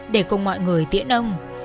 để cùng mọi người tiễn ông